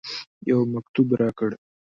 یو مکتوب راکړ.